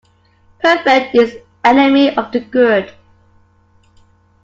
Perfect is the enemy of the good.